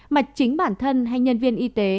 mà chính bản thân hay nhân viên y tế